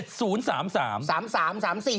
เต๋อง้อยขาวขนาดนั้นล่ะเธอ